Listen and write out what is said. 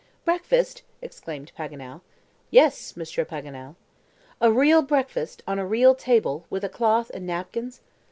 "Breakfast!" exclaimed Paganel. "Yes, Monsieur Paganel." "A real breakfast, on a real table, with a cloth and napkins?"